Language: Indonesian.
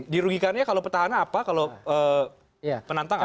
dirugikannya kalau petahana apa kalau penantang apa